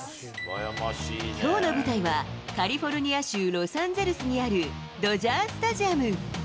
きょうの舞台は、カリフォルニア州ロサンゼルスにあるドジャースタジアム。